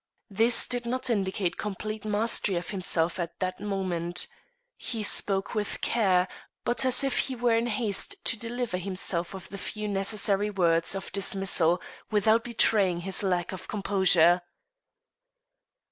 This did not indicate complete mastery of himself at that moment. He spoke with care, but as if he were in haste to deliver himself of the few necessary words of dismissal, without betraying his lack of composure.